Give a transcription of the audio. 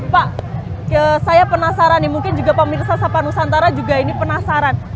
pak saya penasaran nih mungkin juga pemirsa sapa nusantara juga ini penasaran